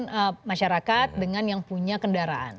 dengan masyarakat dengan yang punya kendaraan